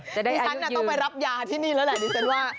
นี่ฉันน่ะต้องไปรับยาที่นี่แล้วแหละ